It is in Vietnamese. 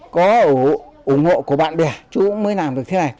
có ủng hộ của bạn bè chú mới làm được thế này